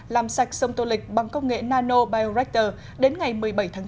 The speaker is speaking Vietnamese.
làm sạch sông tô lịch bằng công nghệ nanobiorecter đến ngày một mươi bảy tháng chín